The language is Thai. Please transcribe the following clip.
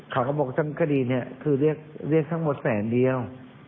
เขาก็บอกทั้งคดีนี้คือเรียกทั้งหมดแสนเดียว